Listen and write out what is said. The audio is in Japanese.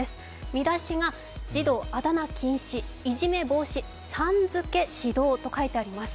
見出しが、児童あだ名禁止、いじめ防止、さん付け指導と書いてあります。